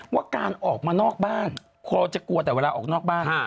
ว่าการออกมานอกบ้านเราจะกลัวแต่เวลาออกนอกบ้าน